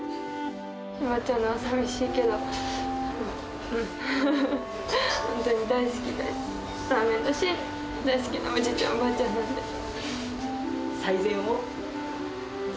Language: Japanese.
閉まっちゃうのは寂しいけど、本当に大好きなラーメンだし、大好きなおじいちゃん、おばあちゃんなので。